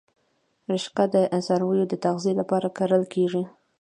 رشقه د څارویو د تغذیې لپاره کرل کیږي